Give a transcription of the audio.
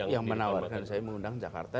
yang menawarkan saya mengundang jakarta